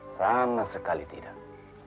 sama sekali tidak